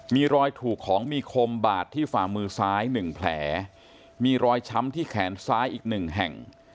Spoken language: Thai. มีรอยถูกของมีคมบาดที่ฝ่ามือซ้าย๑แผลมีรอยช้ำที่แขนซ้ายอีกหนึ่งแห่ง